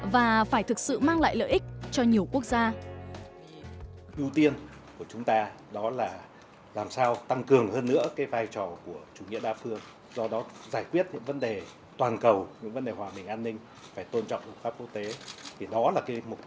và phải thực sự mang lại lợi ích cho nhiều quốc gia